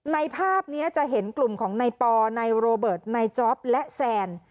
ในภาพนี้จะเห็นกลุ่มของไนปอไนโรเบิร์ตไนจอปและแซน